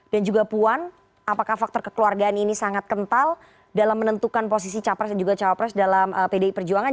dan juga puan apakah faktor kekeluargaan ini sangat kental dalam menentukan posisi capres dan juga cawapres dalam pdi perjuangan